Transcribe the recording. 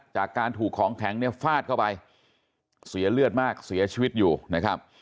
จากการถูกของแข็งเนี่ยฟาดเข้าไปเสียเลือดมากเสียชีวิตอยู่นะครับ